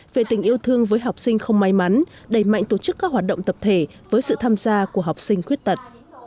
về tình yêu thương với học sinh không may mắn đẩy mạnh tổ chức các hoạt động tập thể với sự tham gia của học sinh khuyết tật